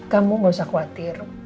kamu gak usah khawatir